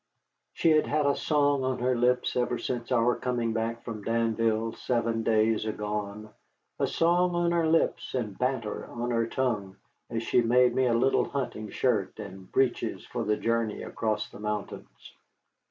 She had had a song on her lips ever since our coming back from Danville, seven days agone, a song on her lips and banter on her tongue, as she made me a new hunting shirt and breeches for the journey across the mountains.